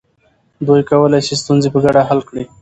دوی کولی سي ستونزې په ګډه حل کړي.